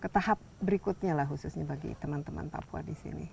ke tahap berikutnya lah khususnya bagi teman teman papua di sini